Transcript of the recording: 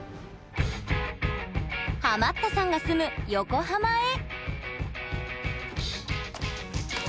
ハマったさんが住む、横浜へ。